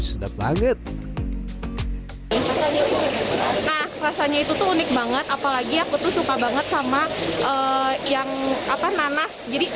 sedap banget rasanya itu tuh unik banget apalagi aku tuh suka banget sama yang apa nanas jadi